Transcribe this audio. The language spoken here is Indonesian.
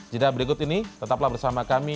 jeda berikut ini tetaplah bersama kami